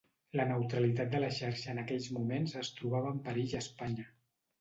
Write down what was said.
La neutralitat de la xarxa en aquells moments es trobava en perill a Espanya.